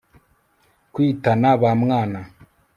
kwitana bamwana